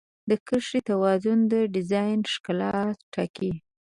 د کرښې توازن د ډیزاین ښکلا ټاکي.